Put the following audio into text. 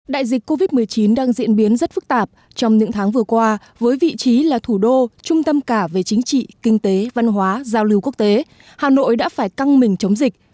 đại dịch covid một mươi chín đang diễn biến rất phức tạp trong những tháng vừa qua với vị trí là thủ đô trung tâm cả về chính trị kinh tế văn hóa giao lưu quốc tế hà nội đã phải căng mình chống dịch